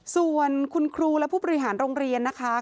ส่วนคุณครูและผู้บริหารโรงเรียนนะคะ